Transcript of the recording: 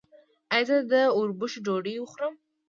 ایا زه د وربشو ډوډۍ وخورم؟